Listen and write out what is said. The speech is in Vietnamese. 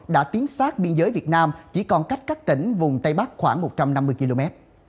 đã tiến sát biên giới việt nam chỉ còn cách các tỉnh vùng tây bắc khoảng một trăm năm mươi km